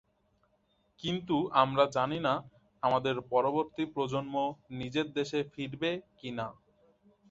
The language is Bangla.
কিন্তু আমরা জানি না আমাদের পরবর্তী প্রজন্ম নিজের দেশে ফিরবে কি না।